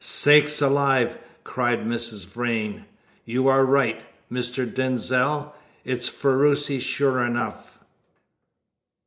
"Sakes alive!" cried Mrs. Vrain. "You are right, Mr. Denzil. It's Ferruci sure enough!"